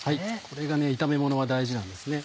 これが炒めものは大事なんですね。